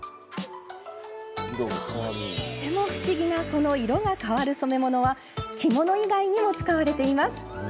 とっても不思議なこの色が変わる染め物は着物以外にも使われているんです。